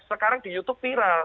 sekarang di youtube viral